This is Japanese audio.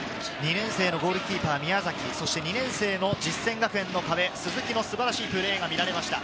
２年生のゴールキーパー・宮崎、２年生の実践学園の鈴木の素晴らしいプレーが見られました。